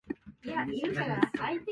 アイスクリーム